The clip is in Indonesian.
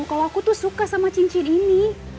kalau aku tuh suka sama cincin ini